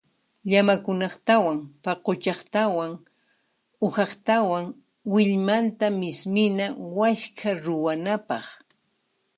Llamakunaqtawan paquchaqtawan uhaqtawan willmanta mismina waskha ruwanapaq.